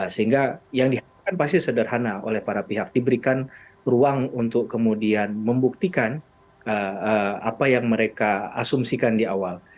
sehingga yang diharapkan pasti sederhana oleh para pihak diberikan ruang untuk kemudian membuktikan apa yang mereka asumsikan di awal